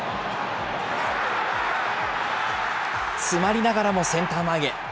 詰まりながらもセンター前へ。